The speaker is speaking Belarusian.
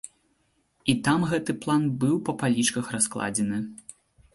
І там гэты план быў па палічках раскладзены.